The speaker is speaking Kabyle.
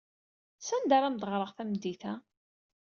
Sanda ara am-d-ɣreɣ tameddit-a?